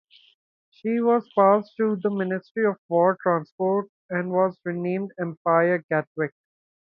She was passed to the Ministry of War Transport and was renamed "Empire Gatwick".